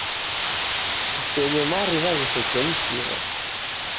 Kusenyo mariw'a ghisechemshiro